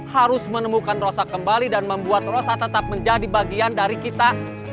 harus menemukan rosa kembali dan membuat rosa tetap menjadi bagian dari kita